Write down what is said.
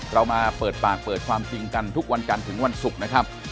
เรามาเปิดปากเปิดความจริงกันทุกวันจันทร์ถึงวันศุกร์นะครับ